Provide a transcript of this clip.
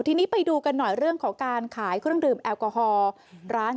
ทีนี้ไปดูกันหน่อยเรื่องของการขายเครื่องดื่มแอลกอฮอล์ร้าน